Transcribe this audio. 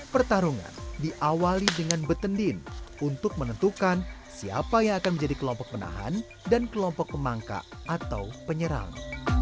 pertarungan diawali dengan betendin untuk menentukan siapa yang akan menjadi kelompok penahan dan kelompok pemangka atau penyerang